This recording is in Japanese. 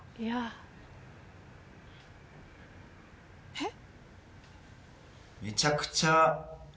・えっ？